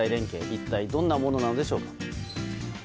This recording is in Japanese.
一体どんなものなのでしょうか。